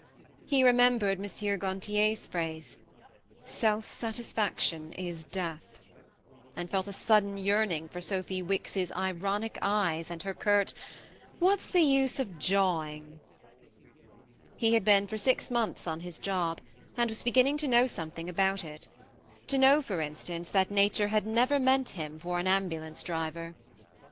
He remembered M. Gantier's phrase, "Self satisfaction is death," and felt a sudden yearning for Sophy Wicks's ironic eyes and her curt "What's the use of jawing ?" He had been for six months on his job, and was beginning to know some thing about it : to know, for instance, that nature had never meant him for an ambulance driver.